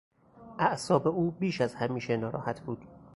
اعصاب او بیش از همیشه ناراحت بود.